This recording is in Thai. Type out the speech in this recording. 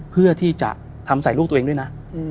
เพื่อที่จะทำใส่ลูกตัวเองด้วยนะ